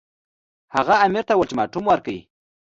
هغه امیر ته اولټیماټوم ورکړ.